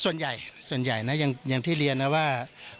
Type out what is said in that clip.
ส่วนใหญ่ส่วนใหญ่นะอย่างที่เรียนนะว่า